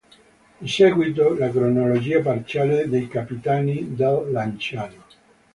Di seguito la cronologia parziale dei capitani del Lanciano.